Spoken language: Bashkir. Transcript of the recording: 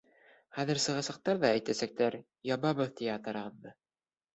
Хәҙер сығасаҡтар ҙа әйтәсәктәр: ябабыҙ театрығыҙҙы!